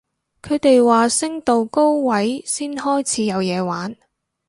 佢哋話升到高位先開始有嘢玩